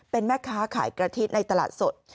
เป็นแม่ค้าขายกะทิในตลาดสด